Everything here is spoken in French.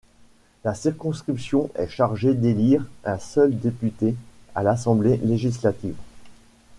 La circonscription est chargée d'élire un seul député à l'Assemblée législative.